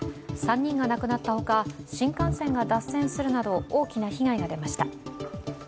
３人が亡くなったほか、新幹線が脱線するなど大きな被害が出ました。